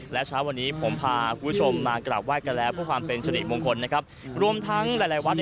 และเช้าวันนี้ผมพาคุณผู้ชมมากราบไหว้กันแล้ว